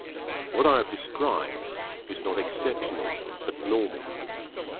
What I have described is not exceptional but normal.